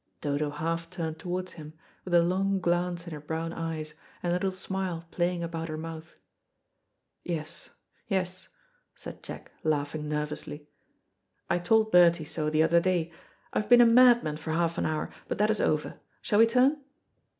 Dodo half turned towards him, with a long glance in her brown eyes, and a little smile playing about her mouth. "Yes, yes," said Jack, laughing nervously. "I told Bertie so the other day. I have been a madman for half an hour, but that is over. Shall we turn?"